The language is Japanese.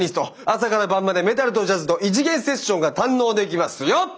朝から晩までメタルとジャズと異次元セッションが堪能できますよ！